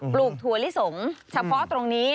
ลูกถั่วลิสงเฉพาะตรงนี้